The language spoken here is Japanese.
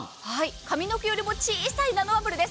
髪の毛よりも小さいナノバブルです。